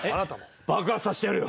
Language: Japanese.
爆発させてやるよ。